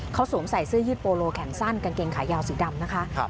เขาสวมใส่เสื้อยืดโปโลแขนสั้นกางเกงขายาวสีดำนะคะ